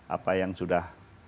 apa yang sudah